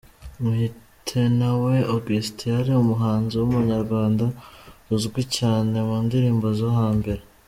Mwitenawe Augustin yari umuhanzi w’umunyarwanda uzwi cyane mu ndirimbo zo hambere.